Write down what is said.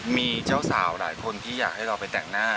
มีเจ้าสาวหลายคนที่อยากให้เราไปแต่งหน้า